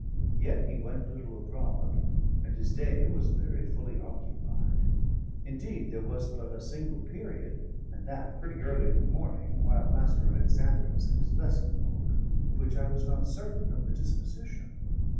Yet he went little abroad, and his day was very fully occupied; indeed, there was but a single period, and that pretty early in the morning, while Mr. Alexander was at his lesson book, of which I was not certain of the disposition.